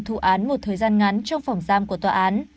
thủ án một thời gian ngắn trong phòng giam của tòa án